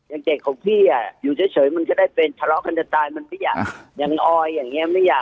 อย่างเด็กของพี่อ่ะอยู่เฉยมันจะได้เป็นทะเลาะกันจะตายมันไม่อยากอย่างออยอย่างนี้ไม่อยาก